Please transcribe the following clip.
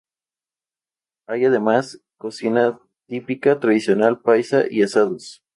Hay además cocina típica tradicional paisa, y asados.